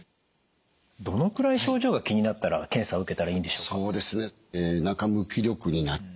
どのくらい症状が気になったら検査を受けたらいいんでしょうか？